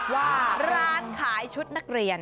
ว่าร้านขายชุดนักเรียน